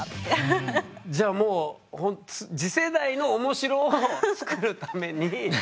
じゃあもうほんと次世代のおもしろを作るために。